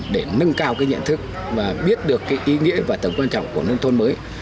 để nâng cao cái nhận thức và biết được cái ý nghĩa và tầm quan trọng của nông thôn mới